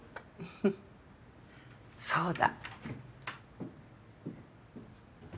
フフッそうだ。